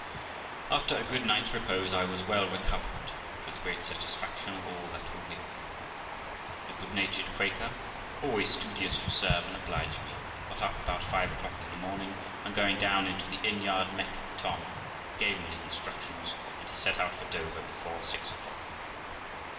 After a good night's repose I was well recovered, to the great satisfac tion of all that were with me. The good natured Quaker, always studious to serve and oblige me, got up about five o'clock in the morning, and going down into the inn yard, met with Tom, gave him his instructions, and he set out for Dover before six o'clock.